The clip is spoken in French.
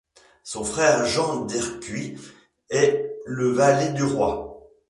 Son frère Jean d'Ercuis est le valet du roi.